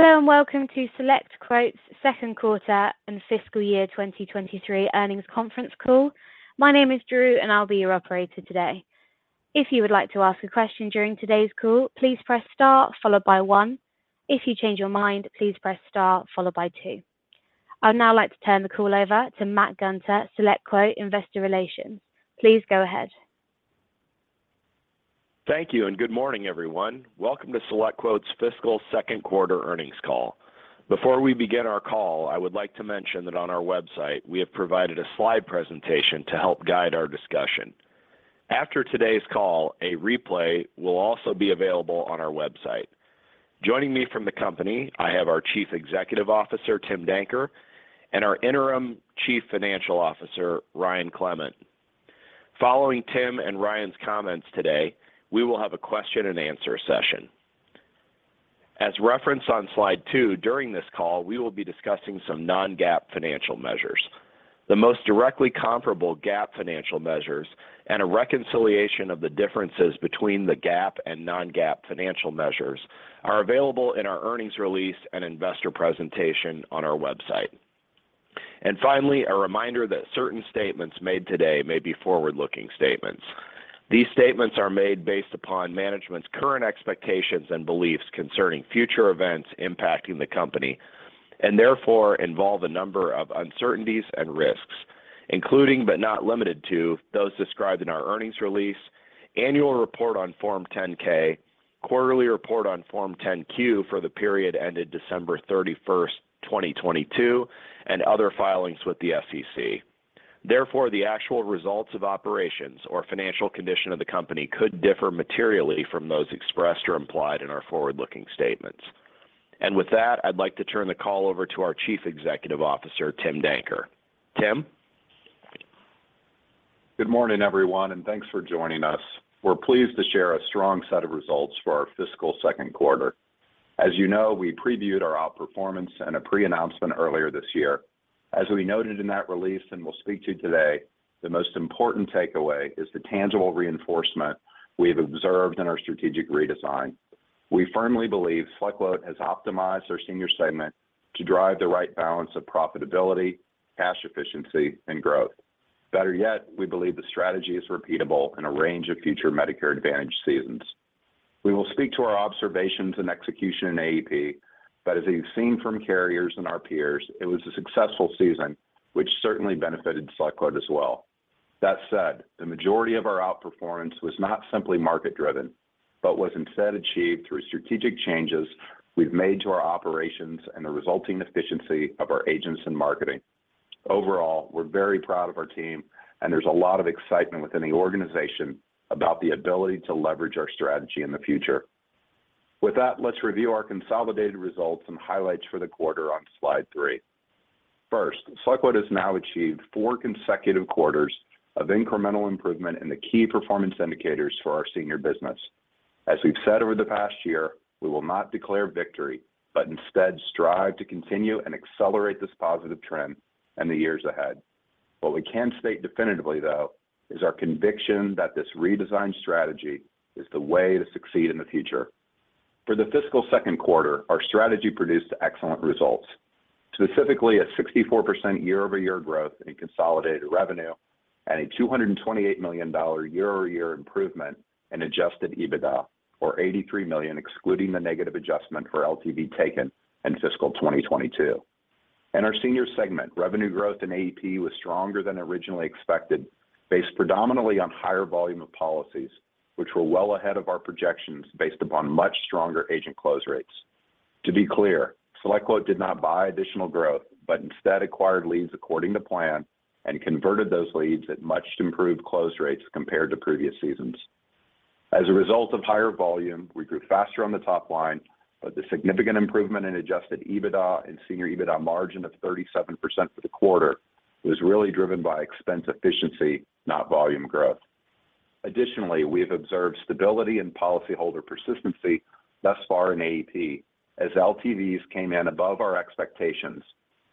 Hello and welcome to SelectQuote's Second Quarter and Fiscal Year 2023 Earnings Conference Call. My name is Drew. I'll be your operator today. If you would like to ask a question during today's call, please press Star followed by one. If you change your mind, please press star followed by two. I'd now like to turn the call over to Matt Gunter, SelectQuote Investor Relations. Please go ahead. Thank you. Good morning, everyone. Welcome to SelectQuote's Fiscal Second Quarter Earnings Call. Before we begin our call, I would like to mention that on our website, we have provided a slide presentation to help guide our discussion. After today's call, a replay will also be available on our website. Joining me from the company, I have our Chief Executive Officer, Tim Danker, and our Interim Chief Financial Officer, Ryan Clement. Following Tim and Ryan's comments today, we will have a question-and-answer session. As referenced on slide two, during this call, we will be discussing some non-GAAP financial measures. The most directly comparable GAAP financial measures and a reconciliation of the differences between the GAAP and non-GAAP financial measures are available in our earnings release and investor presentation on our website. Finally, a reminder that certain statements made today may be forward-looking statements. These statements are made based upon management's current expectations and beliefs concerning future events impacting the company and therefore involve a number of uncertainties and risks, including but not limited to those described in our earnings release, annual report on Form 10-K, quarterly report on Form 10-Q for the period ended December 31, 2022, and other filings with the SEC. Therefore, the actual results of operations or financial condition of the company could differ materially from those expressed or implied in our forward-looking statements. I'd like to turn the call over to our Chief Executive Officer, Tim Danker. Tim? Good morning, everyone, and thanks for joining us. We're pleased to share a strong set of results for our fiscal second quarter. As you know, we previewed our outperformance in a pre-announcement earlier this year. As we noted in that release and will speak to today, the most important takeaway is the tangible reinforcement we have observed in our strategic redesign. We firmly believe SelectQuote has optimized our Senior segment to drive the right balance of profitability, cash efficiency, and growth. Better yet, we believe the strategy is repeatable in a range of future Medicare Advantage seasons. We will speak to our observations and execution in AEP, but as you've seen from carriers and our peers, it was a successful season, which certainly benefited SelectQuote as well. That said, the majority of our outperformance was not simply market-driven, but was instead achieved through strategic changes we've made to our operations and the resulting efficiency of our agents and marketing. Overall, we're very proud of our team, and there's a lot of excitement within the organization about the ability to leverage our strategy in the future. With that, let's review our consolidated results and highlights for the quarter on slide three. First, SelectQuote has now achieved four consecutive quarters of incremental improvement in the key performance indicators for our Senior business. As we've said over the past year, we will not declare victory, but instead strive to continue and accelerate this positive trend in the years ahead. What we can state definitively, though, is our conviction that this redesigned strategy is the way to succeed in the future. For the fiscal second quarter, our strategy produced excellent results, specifically a 64% year-over-year growth in consolidated revenue and a $228 million year-over-year improvement in adjusted EBITDA, or $83 million excluding the negative adjustment for LTV taken in fiscal 2022. In our Senior segment, revenue growth in AEP was stronger than originally expected, based predominantly on higher volume of policies, which were well ahead of our projections based upon much stronger agent close rates. To be clear, SelectQuote did not buy additional growth, but instead acquired leads according to plan and converted those leads at much improved close rates compared to previous seasons. As a result of higher volume, we grew faster on the top line, but the significant improvement in adjusted EBITDA and Senior EBITDA margin of 37% for the quarter was really driven by expense efficiency, not volume growth. Additionally, we have observed stability in policyholder persistency thus far in AEP as LTVs came in above our expectations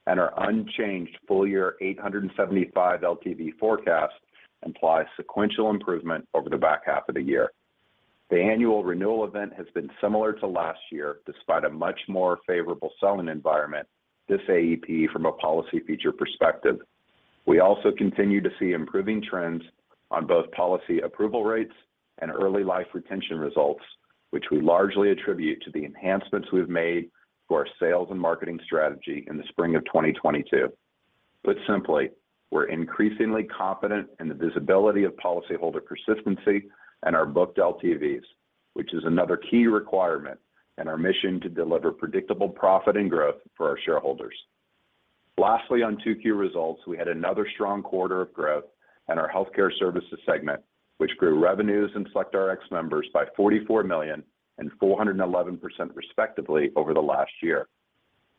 and our unchanged full-year 875 LTV forecast implies sequential improvement over the back half of the year. The annual renewal event has been similar to last year despite a much more favorable selling environment this AEP from a policy feature perspective. We also continue to see improving trends on both policy approval rates and early life retention results, which we largely attribute to the enhancements we've made to our sales and marketing strategy in the spring of 2022. Put simply, we're increasingly confident in the visibility of policyholder persistency and our booked LTVs, which is another key requirement in our mission to deliver predictable profit and growth for our shareholders. Lastly, on 2Q results, we had another strong quarter of growth in our Healthcare Services segment, which grew revenues and SelectRx members by $44 million and 411% respectively over the last year.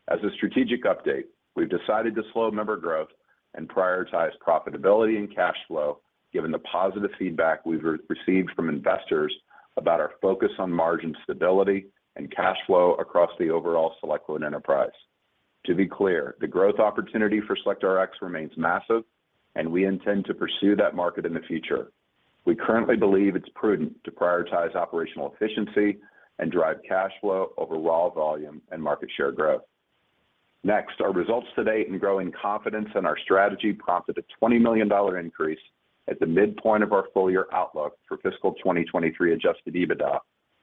As a strategic update, we've decided to slow member growth and prioritize profitability and cash flow given the positive feedback we've received from investors about our focus on margin stability and cash flow across the overall SelectQuote enterprise. To be clear, the growth opportunity for SelectRx remains massive, and we intend to pursue that market in the future. We currently believe it's prudent to prioritize operational efficiency and drive cash flow over raw volume and market share growth. Next, our results to date in growing confidence in our strategy prompted a $20 million increase at the midpoint of our full year outlook for fiscal 2023 adjusted EBITDA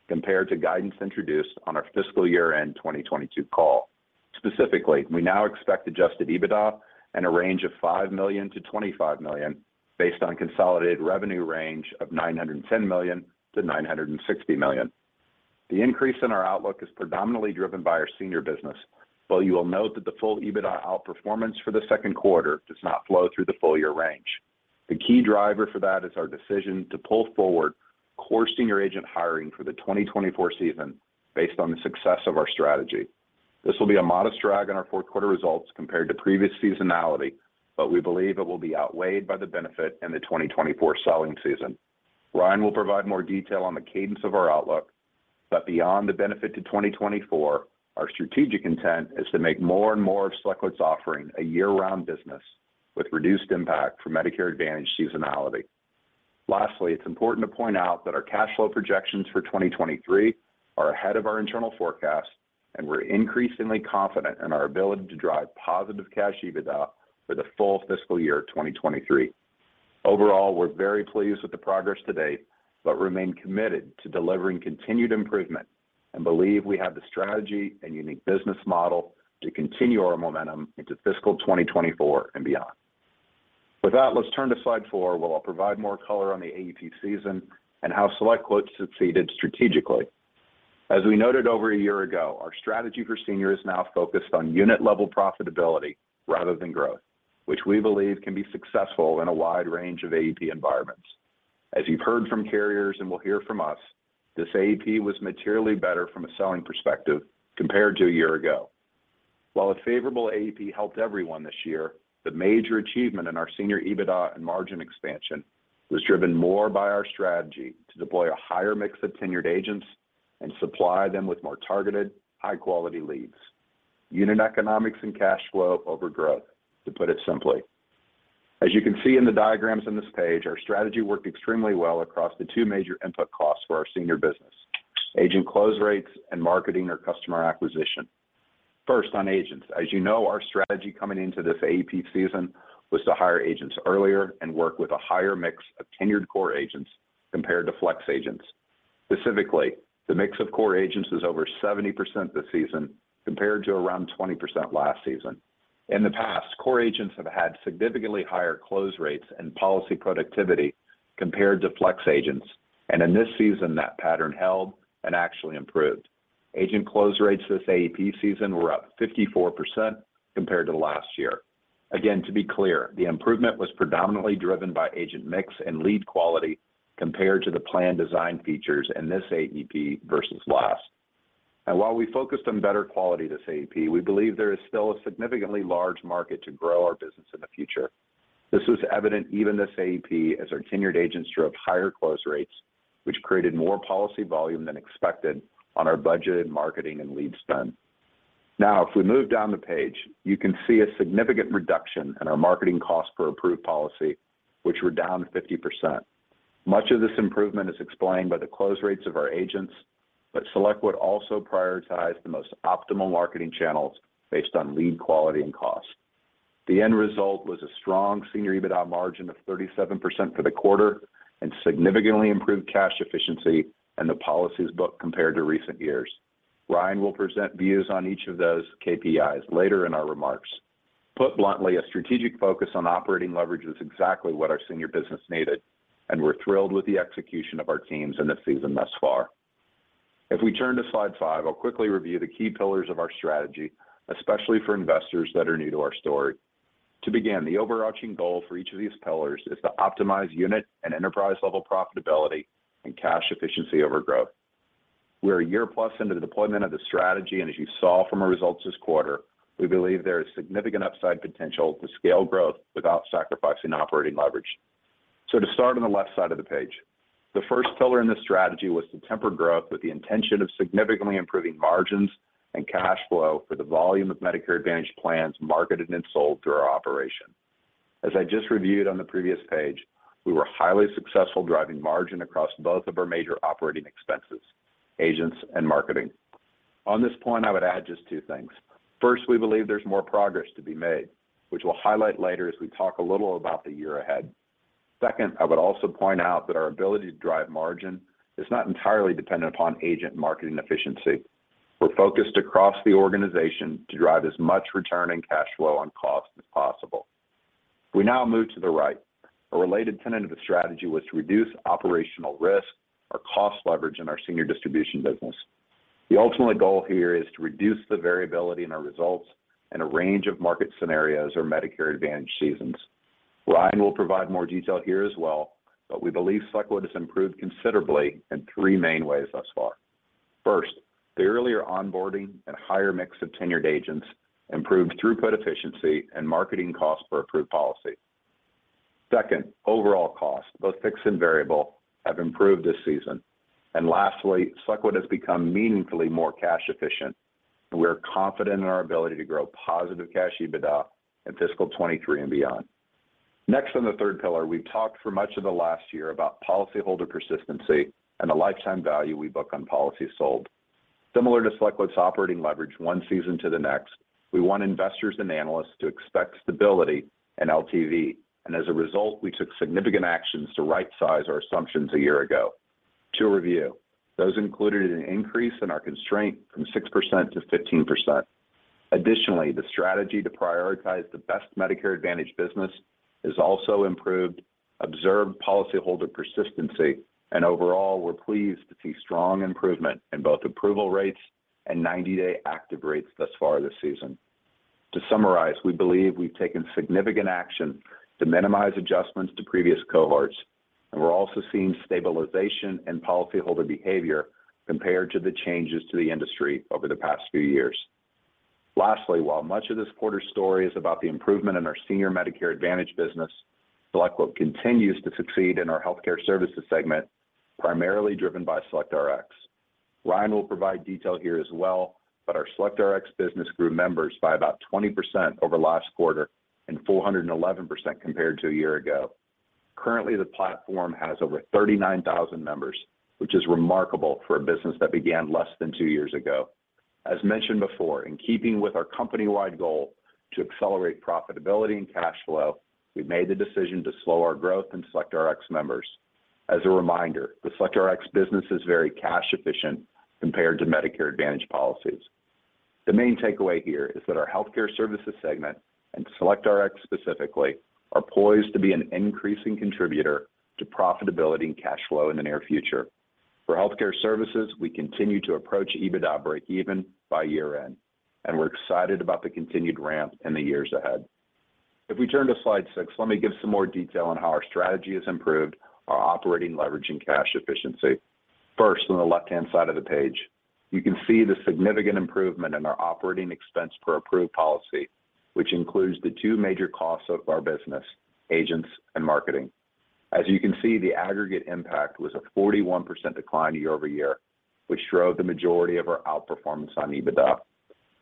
compared to guidance introduced on our fiscal year-end 2022 call. Specifically, we now expect adjusted EBITDA in a range of $5 million-$25 million based on consolidated revenue range of $910 million-$960 million. The increase in our outlook is predominantly driven by our Senior business, though you will note that the full EBITDA outperformance for the second quarter does not flow through the full year range. The key driver for that is our decision to pull forward core Senior agent hiring for the 2024 season based on the success of our strategy. This will be a modest drag on our fourth quarter results compared to previous seasonality, but we believe it will be outweighed by the benefit in the 2024 selling season. Ryan will provide more detail on the cadence of our outlook, but beyond the benefit to 2024, our strategic intent is to make more and more of SelectQuote's offering a year-round business with reduced impact from Medicare Advantage seasonality. Lastly, it's important to point out that our cash flow projections for 2023 are ahead of our internal forecast, and we're increasingly confident in our ability to drive positive Cash EBITDA for the full fiscal year 2023. Overall, we're very pleased with the progress to date, but remain committed to delivering continued improvement and believe we have the strategy and unique business model to continue our momentum into fiscal 2024 and beyond. Let's turn to slide four, where I'll provide more color on the AEP season and how SelectQuote succeeded strategically. As we noted over a year ago, our strategy for Senior is now focused on unit level profitability rather than growth, which we believe can be successful in a wide range of AEP environments. As you've heard from carriers and will hear from us, this AEP was materially better from a selling perspective compared to a year ago. While a favorable AEP helped everyone this year, the major achievement in our Senior EBITDA and margin expansion was driven more by our strategy to deploy a higher mix of tenured agents and supply them with more targeted, high quality leads. Unit economics and cash flow over growth, to put it simply. As you can see in the diagrams on this page, our strategy worked extremely well across the two major input costs for our Senior business, agent close rates and marketing or customer acquisition. First, on agents, as you know, our strategy coming into this AEP season was to hire agents earlier and work with a higher mix of tenured core agents compared to flex agents. Specifically, the mix of core agents is over 70% this season compared to around 20% last season. In the past, core agents have had significantly higher close rates and policy productivity compared to flex agents, and in this season, that pattern held and actually improved. Agent close rates this AEP season were up 54% compared to last year. To be clear, the improvement was predominantly driven by agent mix and lead quality compared to the plan design features in this AEP versus last. While we focused on better quality this AEP, we believe there is still a significantly large market to grow our business in the future. This was evident even this AEP as our tenured agents drove higher close rates, which created more policy volume than expected on our budgeted marketing and lead spend. If we move down the page, you can see a significant reduction in our marketing costs per approved policy, which were down 50%. Much of this improvement is explained by the close rates of our agents, but SelectQuote also prioritized the most optimal marketing channels based on lead quality and cost. The end result was a strong Senior EBITDA margin of 37% for the quarter and significantly improved cash efficiency in the policies booked compared to recent years. Ryan will present views on each of those KPIs later in our remarks. Put bluntly, a strategic focus on operating leverage is exactly what our Senior business needed, and we're thrilled with the execution of our teams in this season thus far. If we turn to slide five, I'll quickly review the key pillars of our strategy, especially for investors that are new to our story. To begin, the overarching goal for each of these pillars is to optimize unit and enterprise level profitability and cash efficiency over growth. We're a year plus into the deployment of the strategy, and as you saw from our results this quarter, we believe there is significant upside potential to scale growth without sacrificing operating leverage. To start on the left side of the page, the first pillar in this strategy was to temper growth with the intention of significantly improving margins and cash flow for the volume of Medicare Advantage plans marketed and sold through our operation. As I just reviewed on the previous page, we were highly successful driving margin across both of our major operating expenses, agents and marketing. On this point, I would add just two things. First, we believe there's more progress to be made, which we'll highlight later as we talk a little about the year ahead. Second, I would also point out that our ability to drive margin is not entirely dependent upon agent marketing efficiency. We're focused across the organization to drive as much return and cash flow on cost as possible. We now move to the right, a related tenet of the strategy was to reduce operational risk or cost leverage in our Senior distribution business. The ultimate goal here is to reduce the variability in our results in a range of market scenarios or Medicare Advantage seasons. Ryan will provide more detail here as well, we believe SelectQuote has improved considerably in three main ways thus far. First, the earlier onboarding and higher mix of tenured agents improved throughput efficiency and marketing costs per approved policy. Second, overall costs, both fixed and variable, have improved this season. Lastly, SelectQuote has become meaningfully more cash efficient, and we're confident in our ability to grow positive Cash EBITDA in fiscal 2023 and beyond. Next, on the third pillar, we've talked for much of the last year about policyholder persistency and the lifetime value we book on policies sold. Similar to SelectQuote's operating leverage one season to the next, we want investors and analysts to expect stability and LTV. As a result, we took significant actions to rightsize our assumptions a year ago. To review, those included an increase in our constraint from 6% to 15%. Additionally, the strategy to prioritize the best Medicare Advantage business has also improved observed policyholder persistency, and overall, we're pleased to see strong improvement in both approval rates and 90-day active rates thus far this season. To summarize, we believe we've taken significant action to minimize adjustments to previous cohorts, and we're also seeing stabilization in policyholder behavior compared to the changes to the industry over the past few years. Lastly, while much of this quarter's story is about the improvement in our Senior Medicare Advantage business, SelectQuote continues to succeed in our Healthcare Services segment, primarily driven by SelectRx. Ryan will provide detail here as well. Our SelectRx business grew members by about 20% over last quarter and 411% compared to a year ago. Currently, the platform has over 39,000 members, which is remarkable for a business that began less than two years ago. As mentioned before, in keeping with our company-wide goal to accelerate profitability and cash flow, we've made the decision to slow our growth in SelectRx members. As a reminder, the SelectRx business is very cash efficient compared to Medicare Advantage policies. The main takeaway here is that our Healthcare Services segment, and SelectRx specifically, are poised to be an increasing contributor to profitability and cash flow in the near future. For Healthcare Services, we continue to approach EBITDA breakeven by year-end, we're excited about the continued ramp in the years ahead. If we turn to slide six, let me give some more detail on how our strategy has improved our operating leverage and cash efficiency. First, on the left-hand side of the page, you can see the significant improvement in our operating expense per approved policy, which includes the two major costs of our business, agents and marketing. As you can see, the aggregate impact was a 41% decline year-over-year, which drove the majority of our outperformance on EBITDA.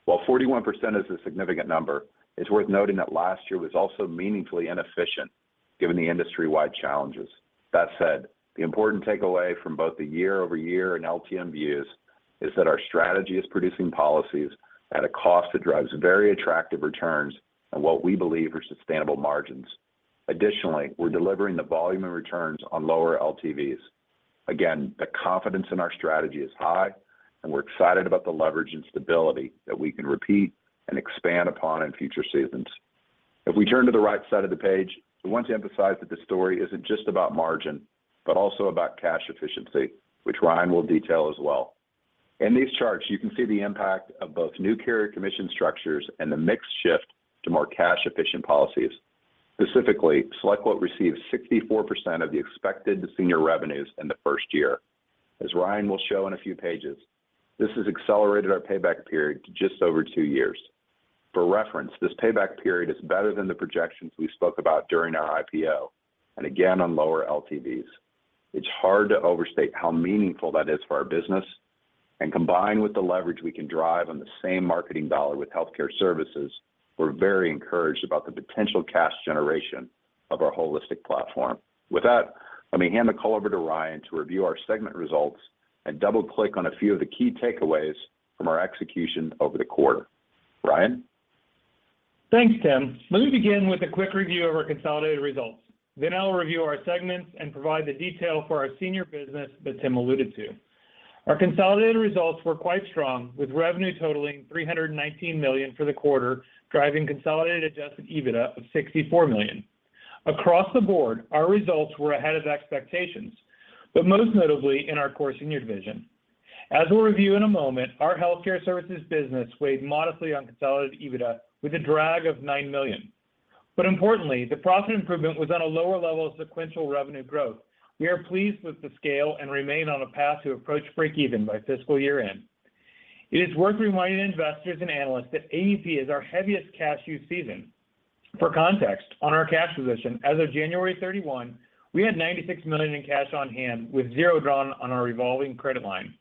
While 41% is a significant number, it's worth noting that last year was also meaningfully inefficient given the industry-wide challenges. That said, the important takeaway from both the year-over-year and LTM views is that our strategy is producing policies at a cost that drives very attractive returns on what we believe are sustainable margins. Additionally, we're delivering the volume and returns on lower LTVs. Again, the confidence in our strategy is high, and we're excited about the leverage and stability that we can repeat and expand upon in future seasons. If we turn to the right side of the page, we want to emphasize that the story isn't just about margin, but also about cash efficiency, which Ryan will detail as well. In these charts, you can see the impact of both new carrier commission structures and the mix shift to more cash-efficient policies. Specifically, SelectQuote receives 64% of the expected Senior revenues in the first year. As Ryan will show in a few pages, this has accelerated our payback period to just over two years. For reference, this payback period is better than the projections we spoke about during our IPO, and again on lower LTVs. It's hard to overstate how meaningful that is for our business. Combined with the leverage we can drive on the same marketing dollar with Healthcare Services, we're very encouraged about the potential cash generation of our holistic platform. With that, let me hand the call over to Ryan to review our segment results and double-click on a few of the key takeaways from our execution over the quarter. Ryan? Thanks, Tim. Let me begin with a quick review of our consolidated results. I will review our segments and provide the detail for our Senior business that Tim alluded to. Our consolidated results were quite strong, with revenue totaling $319 million for the quarter, driving consolidated adjusted EBITDA of $64 million. Across the board, our results were ahead of expectations, but most notably in our core Senior division. As we'll review in a moment, our Healthcare Services business weighed modestly on consolidated EBITDA with a drag of $9 million. Importantly, the profit improvement was on a lower level of sequential revenue growth. We are pleased with the scale and remain on a path to approach breakeven by fiscal year-end. It is worth reminding investors and analysts that AEP is our heaviest cash use season. For context, on our cash position, as of January 31, we had $96 million in cash on hand, with zero drawn on our revolving credit line.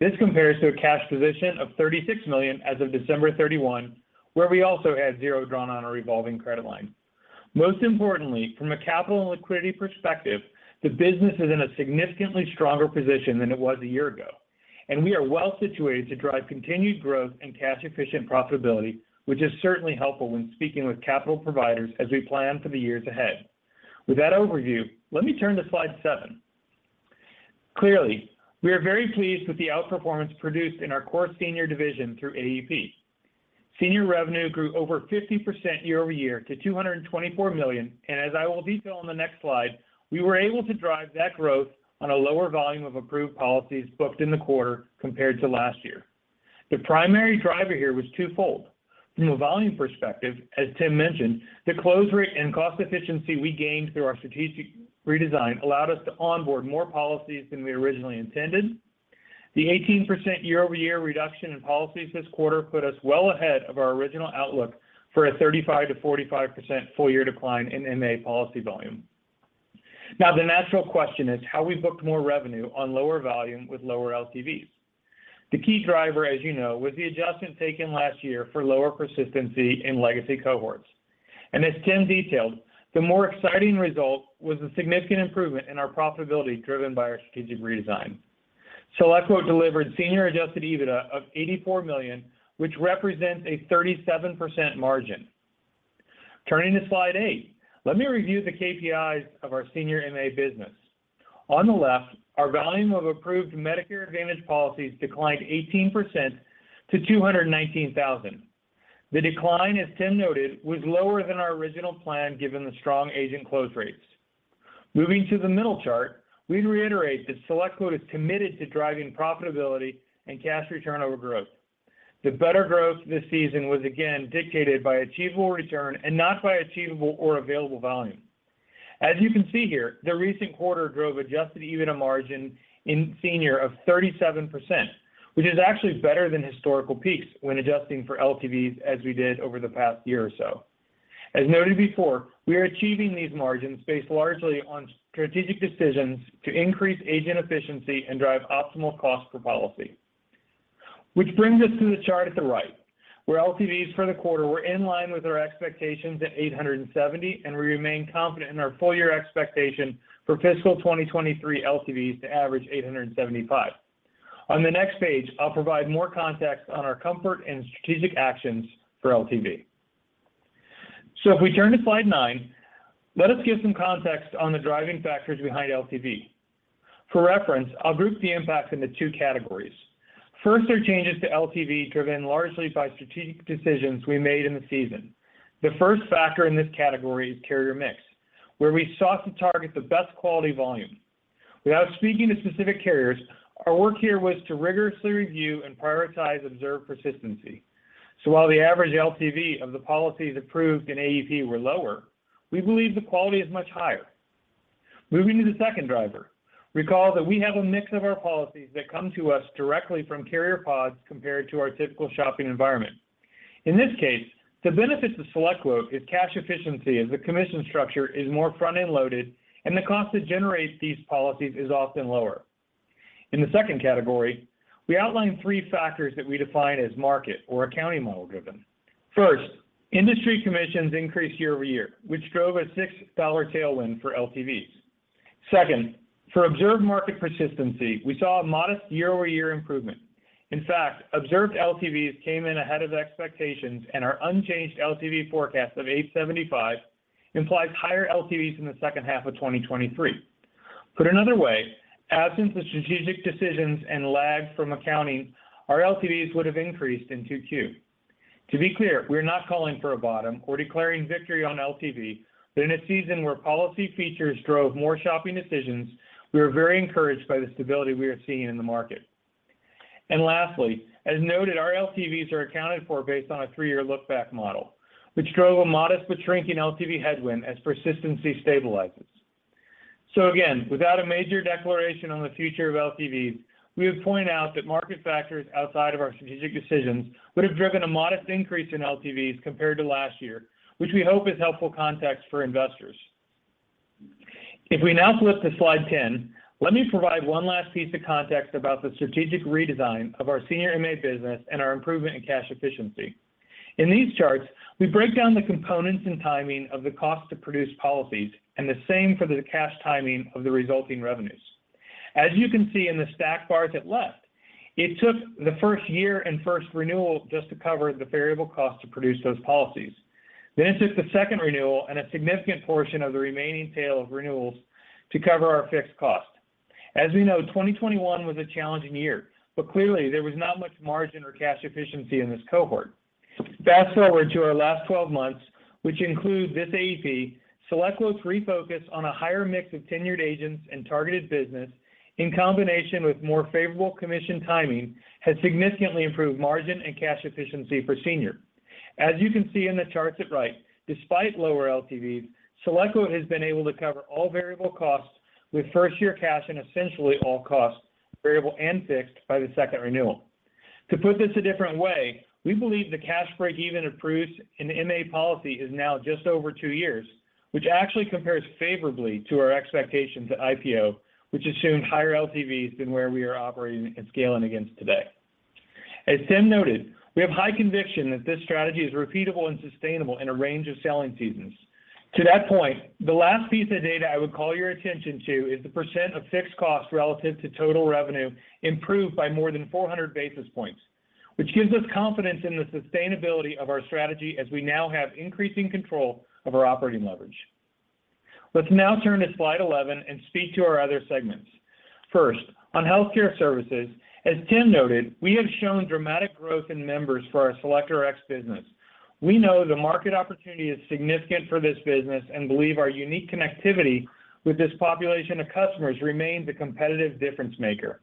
This compares to a cash position of $36 million as of December 31, where we also had zero drawn on our revolving credit line. Most importantly, from a capital and liquidity perspective, the business is in a significantly stronger position than it was a year ago, and we are well-situated to drive continued growth and cash-efficient profitability, which is certainly helpful when speaking with capital providers as we plan for the years ahead. With that overview, let me turn to slide seven. Clearly, we are very pleased with the outperformance produced in our core Senior division through AEP. Senior revenue grew over 50% year-over-year to $224 million, and as I will detail on the next slide, we were able to drive that growth on a lower volume of approved policies booked in the quarter compared to last year. The primary driver here was twofold. From a volume perspective, as Tim mentioned, the close rate and cost efficiency we gained through our strategic redesign allowed us to onboard more policies than we originally intended. The 18% year-over-year reduction in policies this quarter put us well ahead of our original outlook for a 35%-45% full year decline in MA policy volume. The natural question is how we booked more revenue on lower volume with lower LTVs. The key driver, as you know, was the adjustment taken last year for lower persistency in legacy cohorts. As Tim detailed, the more exciting result was a significant improvement in our profitability driven by our strategic redesign. SelectQuote delivered Senior adjusted EBITDA of $84 million, which represents a 37% margin. Turning to slide 8, let me review the KPIs of our Senior MA business. On the left, our volume of approved Medicare Advantage policies declined 18% to 219,000. The decline, as Tim noted, was lower than our original plan, given the strong agent close rates. Moving to the middle chart, we reiterate that SelectQuote is committed to driving profitability and cash return over growth. The better growth this season was again dictated by achievable return and not by achievable or available volume. As you can see here, the recent quarter drove adjusted EBITDA margin in Senior of 37%, which is actually better than historical peaks when adjusting for LTVs as we did over the past year or so. As noted before, we are achieving these margins based largely on strategic decisions to increase agent efficiency and drive optimal cost per policy. This brings us to the chart at the right, where LTVs for the quarter were in line with our expectations at $870, and we remain confident in our full year expectation for fiscal 2023 LTVs to average $875. On the next page, I'll provide more context on our comfort and strategic actions for LTV. If we turn to slide nine, let us give some context on the driving factors behind LTV. For reference, I'll group the impacts into two categories. First are changes to LTV driven largely by strategic decisions we made in the season. The first factor in this category is carrier mix, where we sought to target the best quality volume. Without speaking to specific carriers, our work here was to rigorously review and prioritize observed persistency. While the average LTV of the policies approved in AEP were lower, we believe the quality is much higher. Moving to the second driver, recall that we have a mix of our policies that come to us directly from carrier pods compared to our typical shopping environment. In this case, the benefits of SelectQuote is cash efficiency, as the commission structure is more front-end loaded, and the cost to generate these policies is often lower. In the second category, we outline three factors that we define as market or accounting model driven. First, industry commissions increased year-over-year, which drove a $6 tailwind for LTVs. Second, for observed market persistency, we saw a modest year-over-year improvement. In fact, observed LTVs came in ahead of expectations and our unchanged LTV forecast of 875 implies higher LTVs in the second half of 2023. Put another way, absent the strategic decisions and lag from accounting, our LTVs would have increased in 2Q. To be clear, we're not calling for a bottom or declaring victory on LTV, in a season where policy features drove more shopping decisions, we are very encouraged by the stability we are seeing in the market. Lastly, as noted, our LTVs are accounted for based on a 3-year look-back model, which drove a modest but shrinking LTV headwind as persistency stabilizes. Again, without a major declaration on the future of LTVs, we would point out that market factors outside of our strategic decisions would have driven a modest increase in LTVs compared to last year, which we hope is helpful context for investors. If we now flip to slide 10, let me provide one last piece of context about the strategic redesign of our Senior MA business and our improvement in cash efficiency. In these charts, we break down the components and timing of the cost to produce policies and the same for the cash timing of the resulting revenues. As you can see in the stacked bars at left, it took the first year and first renewal just to cover the variable cost to produce those policies. It took the second renewal and a significant portion of the remaining tail of renewals to cover our fixed cost. As we know, 2021 was a challenging year, clearly, there was not much margin or cash efficiency in this cohort. Fast-forward to our last 12 months, which include this AEP, SelectQuote's refocus on a higher mix of tenured agents and targeted business in combination with more favorable commission timing has significantly improved margin and cash efficiency for Senior. As you can see in the charts at right, despite lower LTVs, SelectQuote has been able to cover all variable costs with first-year cash and essentially all costs, variable and fixed, by the second renewal. To put this a different way, we believe the cash break-even approved in MA policy is now just over two years, which actually compares favorably to our expectations at IPO, which assumed higher LTVs than where we are operating and scaling against today. As Tim noted, we have high conviction that this strategy is repeatable and sustainable in a range of selling seasons. To that point, the last piece of data I would call your attention to is the precent of fixed costs relative to total revenue improved by more than 400 basis points, which gives us confidence in the sustainability of our strategy as we now have increasing control of our operating leverage. Let's now turn to slide 11 and speak to our other segments. First, on Healthcare Services, as Tim noted, we have shown dramatic growth in members for our SelectRx business. We know the market opportunity is significant for this business and believe our unique connectivity with this population of customers remains a competitive difference maker.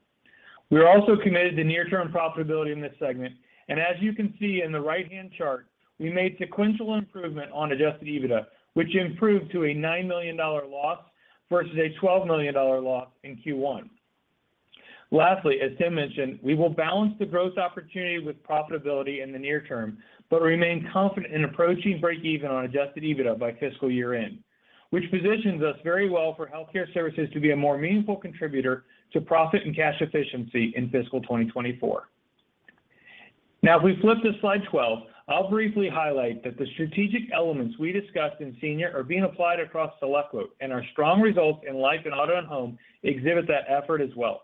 We are also committed to near-term profitability in this segment, and as you can see in the right-hand chart, we made sequential improvement on adjusted EBITDA, which improved to a $9 million loss versus a $12 million loss in Q1. Lastly, as Tim mentioned, we will balance the growth opportunity with profitability in the near term, but remain confident in approaching breakeven on adjusted EBITDA by fiscal year-end, which positions us very well for Healthcare Services to be a more meaningful contributor to profit and cash efficiency in fiscal 2024. Now, if we flip to slide 12, I'll briefly highlight that the strategic elements we discussed in Senior are being applied across SelectQuote, and our strong results in life and auto and home exhibit that effort as well.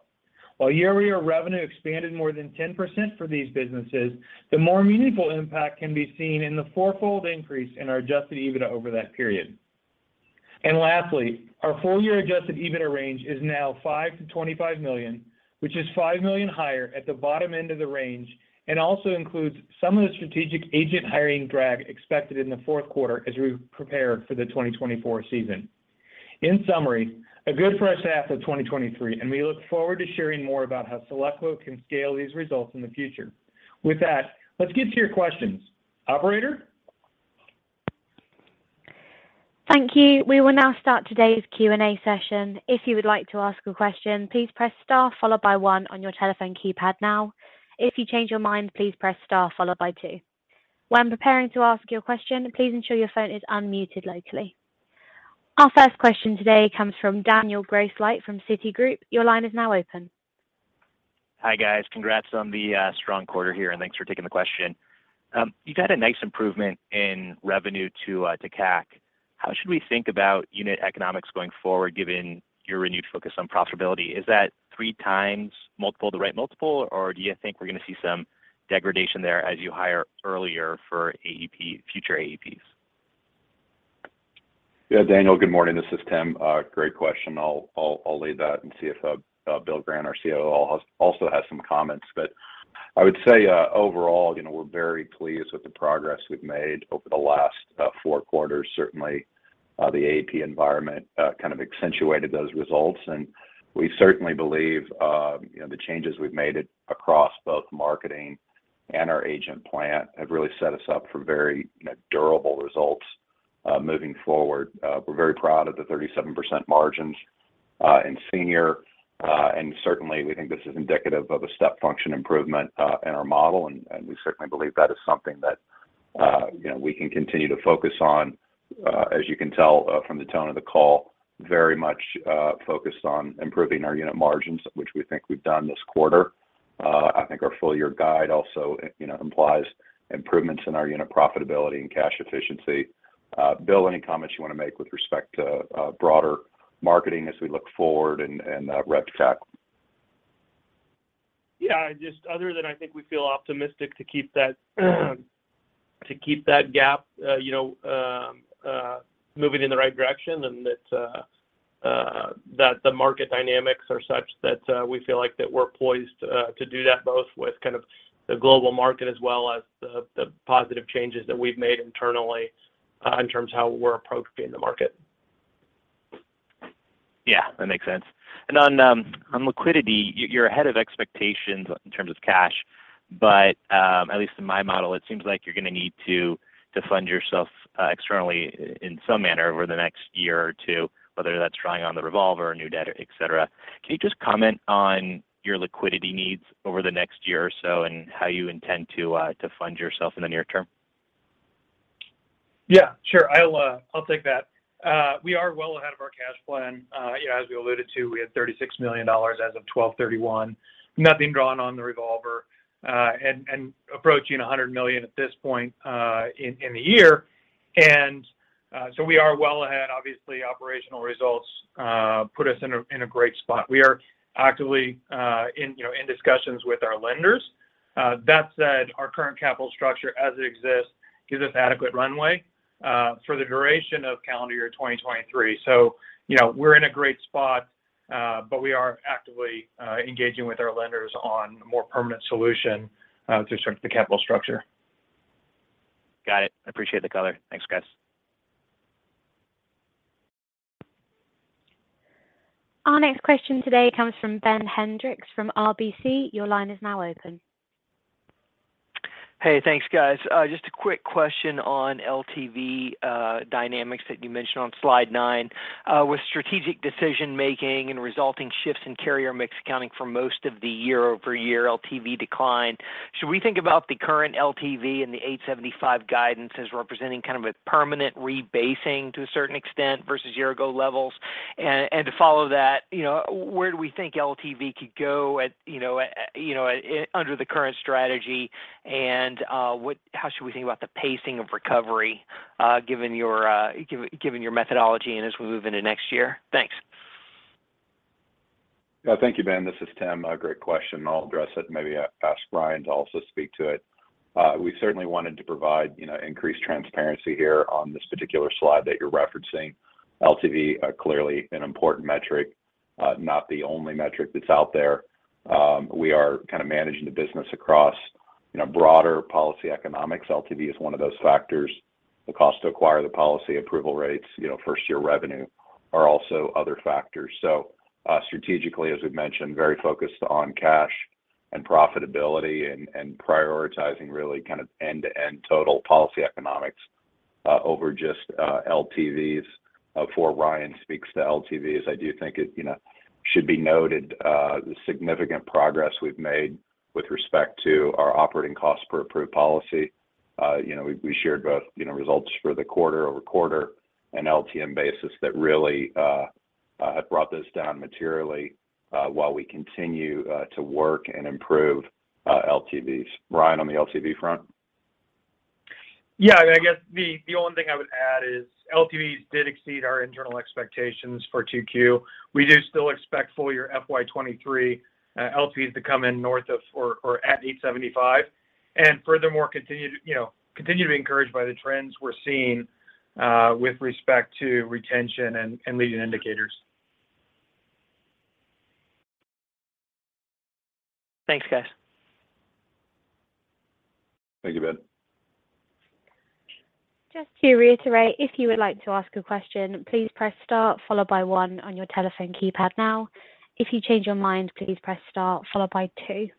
While year-over-year revenue expanded more than 10% for these businesses, the more meaningful impact can be seen in the fourfold increase in our adjusted EBITDA over that period. Lastly, our full year adjusted EBITDA range is now $5 million-$25 million, which is $5 million higher at the bottom end of the range, and also includes some of the strategic agent hiring drag expected in the fourth quarter as we prepare for the 2024 season. In summary, a good first half of 2023, and we look forward to sharing more about how SelectQuote can scale these results in the future. With that, let's get to your questions. Operator? Thank you. We will now start today's Q&A session. If you would like to ask a question, please press star followed by one on your telephone keypad now. If you change your mind, please press star followed by two. When preparing to ask your question, please ensure your phone is unmuted locally. Our first question today comes from Daniel Grosslight from Citigroup. Your line is now open. Hi, guys. Congrats on the strong quarter here, and thanks for taking the question. You've had a nice improvement in Revenue-to-CAC. How should we think about unit economics going forward, given your renewed focus on profitability? Is that 3x multiple the right multiple, or do you think we're gonna see some degradation there as you hire earlier for AEP, future AEPs? Yeah, Daniel, good morning. This is Tim. Great question. I'll leave that and see if Bill Grant, our COO, also has some comments. I would say, overall, you know, we're very pleased with the progress we've made over the last four quarters. Certainly, the AEP environment kind of accentuated those results. We certainly believe, you know, the changes we've made across both marketing and our agent plant have really set us up for very, you know, durable results moving forward. We're very proud of the 37% margins in Senior. Certainly we think this is indicative of a step function improvement in our model, and we certainly believe that is something that, you know, we can continue to focus on. As you can tell, from the tone of the call, very much focused on improving our unit margins, which we think we've done this quarter. I think our full year guide also, you know, implies improvements in our unit profitability and cash efficiency. Bill, any comments you want to make with respect to broader marketing as we look forward and rep CAC? Yeah, just other than I think we feel optimistic to keep that gap, you know, moving in the right direction and that the market dynamics are such that, we feel like that we're poised, to do that both with kind of the global market as well as the positive changes that we've made internally, in terms of how we're approaching the market. Yeah, that makes sense. On Liquidity, you're ahead of expectations in terms of cash, but, at least in my model, it seems like you're gonna need to fund yourself externally in some manner over the next year or two, whether that's drawing on the revolver, new debt, et cetera. Can you just comment on your liquidity needs over the next year or so and how you intend to fund yourself in the near term? Yeah, sure. I'll take that. We are well ahead of our cash plan. you know, as we alluded to, we had $36 million as of 12/31, nothing drawn on the revolver, and approaching $100 million at this point, in the year. We are well ahead. Obviously, operational results, put us in a, in a great spot. We are actively, in, you know, in discussions with our lenders. That said, our current capital structure as it exists gives us adequate runway, for the duration of calendar year 2023. You know, we're in a great spot, but we are actively, engaging with our lenders on a more permanent solution, to sort the capital structure. Got it. I appreciate the color. Thanks, guys. Our next question today comes from Ben Hendrix from RBC. Your line is now open. Hey, thanks, guys. Just a quick question on LTV dynamics that you mentioned on slide nine. With strategic decision-making and resulting shifts in carrier mix accounting for most of the year-over-year LTV decline, should we think about the current LTV and the $875 guidance as representing kind of a permanent rebasing to a certain extent versus year ago levels? To follow that, you know, where do we think LTV could go at, you know, at, under the current strategy? How should we think about the pacing of recovery, given your methodology and as we move into next year? Thanks. Yeah. Thank you, Ben. This is Tim. A great question. I'll address it and maybe ask Ryan to also speak to it. We certainly wanted to provide, you know, increased transparency here on this particular slide that you're referencing. LTV, clearly an important metric, not the only metric that's out there. We are kind of managing the business across, you know, broader policy economics. LTV is one of those factors. The cost to acquire the policy approval rates, you know, first-year revenue are also other factors. Strategically, as we've mentioned, very focused on cash and profitability and prioritizing really kind of end-to-end total policy economics. Over just LTVs, before Ryan speaks to LTVs, I do think it, you know, should be noted, the significant progress we've made with respect to our operating costs per approved policy. You know, we shared both, you know, results for the quarter-over-quarter and LTM basis that really have brought this down materially, while we continue to work and improve LTVs. Ryan, on the LTV front? Yeah. I guess the only thing I would add is LTVs did exceed our internal expectations for 2Q. We do still expect full year FY 2023 LTVs to come in north of or at $875. Furthermore, continue to, you know, continue to be encouraged by the trends we're seeing with respect to retention and leading indicators. Thanks, guys. Thank you, Ben. Just to reiterate, if you would like to ask a question, please press star followed by one on your telephone keypad now. If you change your mind, please press star followed by two.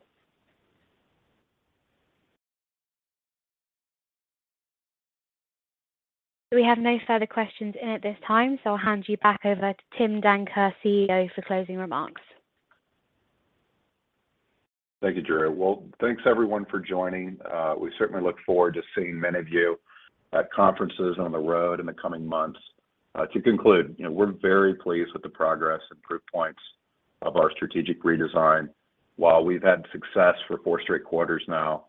We have no further questions in at this time, so I'll hand you back over to Tim Danker, CEO, for closing remarks. Thank you, Julia. Well, thanks everyone for joining. We certainly look forward to seeing many of you at conferences on the road in the coming months. To conclude, you know, we're very pleased with the progress and proof points of our strategic redesign. While we've had success for four straight quarters now,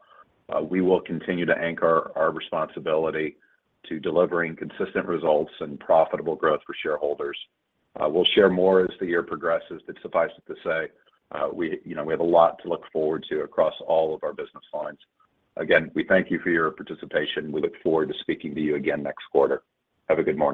we will continue to anchor our responsibility to delivering consistent results and profitable growth for shareholders. We'll share more as the year progresses, but suffice it to say, we, you know, we have a lot to look forward to across all of our business lines. Again, we thank you for your participation. We look forward to speaking to you again next quarter. Have a good morning.